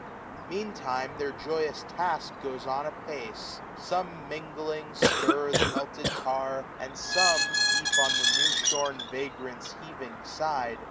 Meantime, their joyous task goes on apace : 405 SUM ME It 65 Some mingling sdr the melted tar, and some. Deep on the new*shom vagrant's heaving side.